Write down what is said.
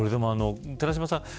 寺嶋さん